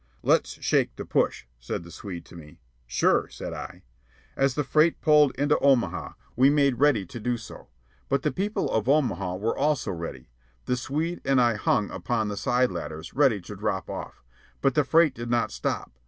"Let's shake the push," said the Swede to me. "Sure," said I. As the freight pulled into Omaha, we made ready to do so. But the people of Omaha were also ready. The Swede and I hung upon the side ladders, ready to drop off. But the freight did not stop.